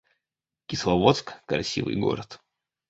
Кисловодск — красивый город